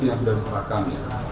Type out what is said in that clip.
yang sudah diserahkan